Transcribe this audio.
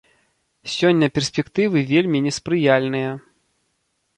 Сёння перспектывы вельмі неспрыяльныя.